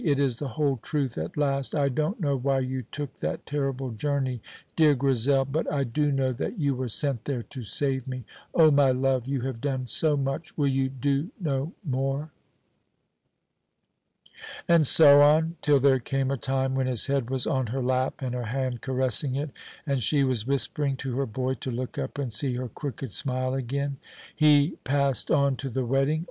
It is the whole truth at last. I don't know why you took that terrible journey, dear Grizel, but I do know that you were sent there to save me. Oh, my love, you have done so much, will you do no more?" And so on, till there came a time when his head was on her lap and her hand caressing it, and she was whispering to her boy to look up and see her crooked smile again. He passed on to the wedding.